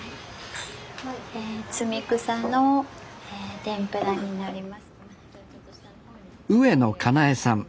摘み草の天ぷらになります。